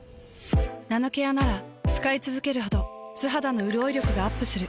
ナノケアなら使いつづけるほど素肌のうるおい力がアップする。